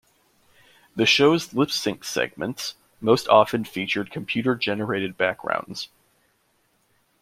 The show's lip-sync segments most often featured computer generated backgrounds.